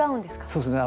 そうですね。